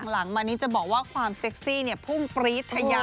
หลังมานี้จะบอกว่าความเซ็กซี่พุ่งปรี๊ดทะยา